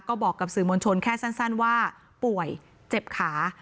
ก็บอกกับสื่อมวลชนแค่สั้นว่าป่วยเจ็บขา